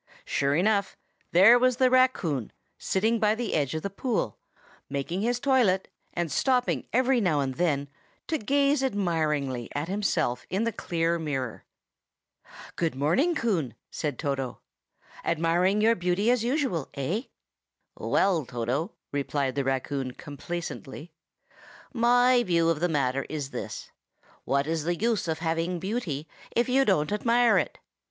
Sure enough, there was the raccoon, sitting by the edge of the pool, making his toilet, and stopping every now and then to gaze admiringly at himself in the clear mirror. "Good morning, Coon!" said Toto; "admiring your beauty as usual, eh?" "Well, Toto," replied the raccoon complacently, "my view of the matter is this: what is the use of having beauty if you don't admire it?